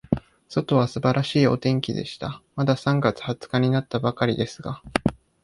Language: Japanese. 外は素晴らしいお天気でした。まだ三月二十日になったばかりですが、